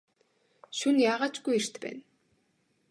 Шөнө яагаа ч үгүй эрт байна.